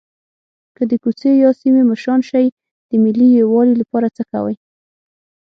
که د کوڅې یا سیمې مشران شئ د ملي یووالي لپاره څه کوئ.